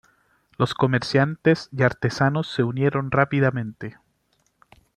Los comerciantes y artesanos se unieron rápidamente.